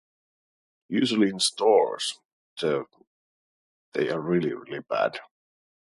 Usually in stores. Though, they are really, really bad.